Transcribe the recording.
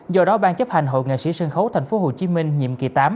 do đó ban chấp hành hội nghệ sĩ sân khấu tp hcm nhiệm kỳ tám